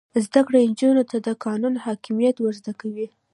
زده کړه نجونو ته د قانون حاکمیت ور زده کوي.